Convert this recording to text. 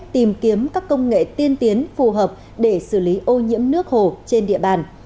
tìm kiếm các công nghệ tiên tiến phù hợp để xử lý ô nhiễm nước hồ trên địa bàn